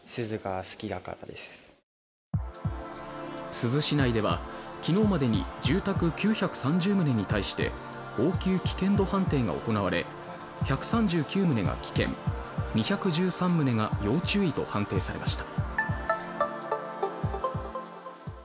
珠洲市内では昨日までに住宅９３０棟に対して応急危険度判定が行われ、１３９棟が危険、２１３棟が要注意と判定されました。